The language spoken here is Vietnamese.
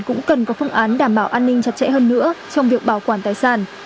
cũng cần có phương án đảm bảo an ninh chặt chẽ hơn nữa trong việc bảo quản tài sản